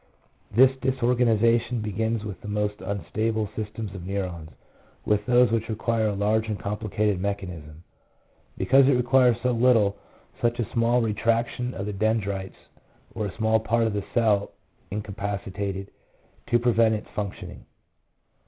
This disorganization begins with the most unstable systems of neurons, with those which require a large and complicated mechanism ; because it MEMORY. 6? requires so little, such a small retraction of the den drites or a small part of the cell incapacitated, to prevent its functioning.